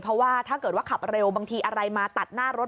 เพราะว่าถ้าเกิดว่าขับเร็วบางทีอะไรมาตัดหน้ารถ